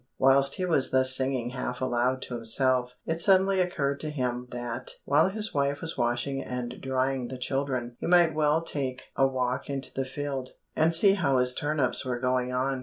Whilst he was thus singing half aloud to himself, it suddenly occurred to him that, while his wife was washing and drying the children, he might very well take a walk into the field, and see how his turnips were going on.